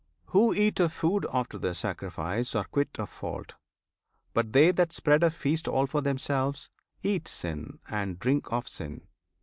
Who eat of food after their sacrifice Are quit of fault, but they that spread a feast All for themselves, eat sin and drink of sin.